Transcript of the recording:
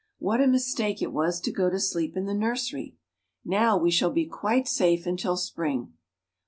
What a mistake it was to go to sleep in the nursery! Now we shall be quite safe until spring."